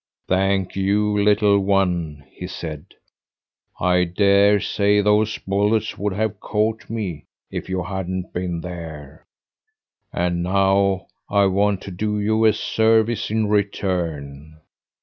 "Thank you, little one!" he said. "I dare say those bullets would have caught me if you hadn't been there. And now I want to do you a service in return.